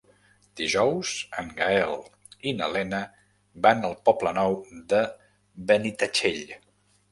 Dijous en Gaël i na Lena van al Poble Nou de Benitatxell.